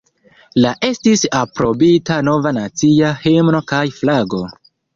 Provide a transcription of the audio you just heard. La estis aprobita nova nacia himno kaj flago.